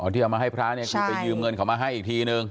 ที่เอามาให้พระเนี่ยคือไปยืมเงินเขามาให้อีกทีนึง